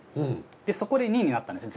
でそこで２位になったんですね。